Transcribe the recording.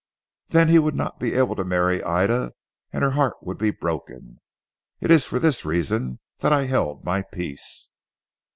Then he would not be able to marry Ida and her heart would be broken. It is for this reason that I held my peace."